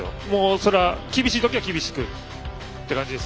それは厳しい時は厳しくって感じです。